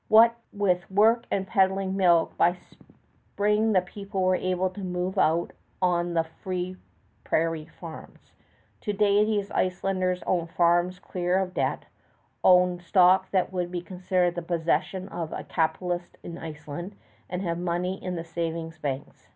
What with work and peddling milk, by spring the people were able to move out on the free prairie farms. To day those Icelanders own farms clear of debt, own stock that would be considered the possession of a capitalist in Iceland, and have money in the savings banks.